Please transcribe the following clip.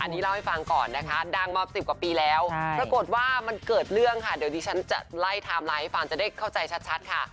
มา๑๐กว่าปีแล้วปรากฏว่ามันเกิดเรื่องค่ะเดี๋ยวดิฉันจะไล่ไทม์ไลน์ให้ฟังจะได้เข้าใจชัดค่ะ